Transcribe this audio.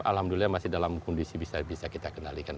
alhamdulillah masih dalam kondisi bisa kita kendalikan